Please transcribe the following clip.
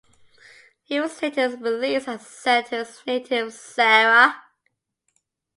He was later released and sent to his native Zara.